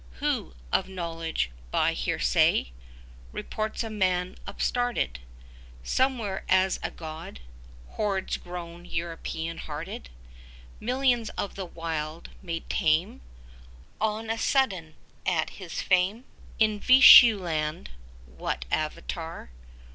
Who, of knowledge, by hearsay, 10 Reports a man upstarted Somewhere as a God, Hordes grown European hearted, Millions of the wild made tame On a sudden at his fame? 15 In Vishnu land what Avatar?